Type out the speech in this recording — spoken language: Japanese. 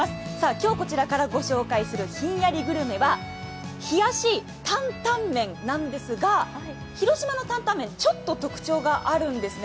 今日、こちらからご紹介するひんやりグルメは、冷やし担担麺なんですが、広島の担々麺、ちょっと特徴があるんですね。